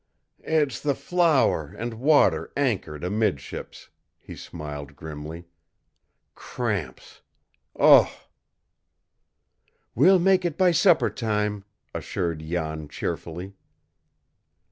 "It's the flour and water anchored amidships," he smiled grimly. "Cramps Ugh!" "We'll make it by supper time," assured Jan cheerfully.